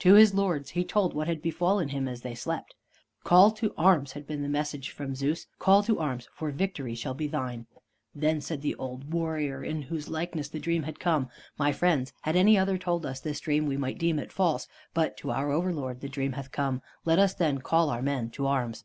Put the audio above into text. To his lords he told what had befallen him as they slept. "Call to arms!" had been the message from Zeus. "Call to arms! for victory shall be thine." Then said the old warrior in whose likeness the Dream had come: "My friends, had any other told us this dream we might deem it false; but to our overlord the Dream hath come. Let us then call our men to arms."